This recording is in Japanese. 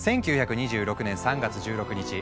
１９２６年３月１６日